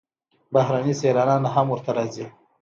بهرني سیلانیان هم ورته راځي.